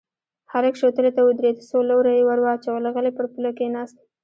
هلک شوتلې ته ودرېد، څو لوره يې ور واچول، غلی پر پوله کېناست.